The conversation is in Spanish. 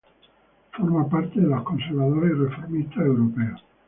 Forma parte de los Conservadores y Reformistas Europeos.